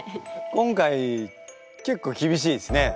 今回結構厳しいですね。